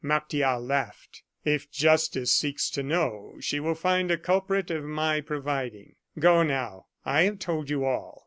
Martial laughed. "If justice seeks to know, she will find a culprit of my providing. Go now; I have told you all.